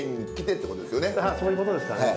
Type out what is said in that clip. そういうことですかね。